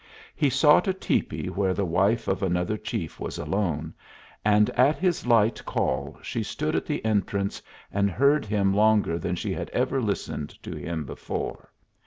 He sought a tepee where the wife of another chief was alone, and at his light call she stood at the entrance and heard him longer than she had ever listened to him before.